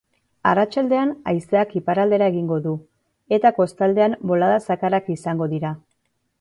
Arratsaldean haizeak iparraldera egingo du eta kostaldean bolada zakarrak izango dira.